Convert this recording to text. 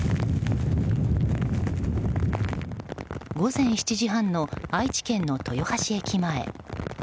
午前７時半の愛知県の豊橋駅前。